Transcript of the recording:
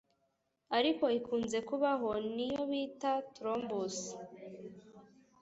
ariko ikunze kubaho ni iyo bita Trombus